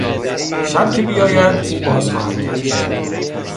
شب که بیاید او باز خواهد گشت.